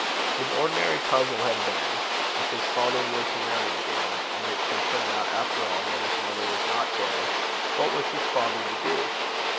An ordinary puzzle had been if his father were to marry again, and it should turn out after all that his mother was not dead, what was his father to do?